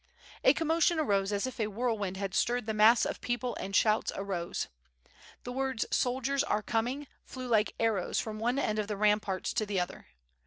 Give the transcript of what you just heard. '' A commotion arose as if a whirlwind had stirred the mass of people and shouts arose. The words "soldiers are com ing" flew like arrows from one end of the ramparts to the other.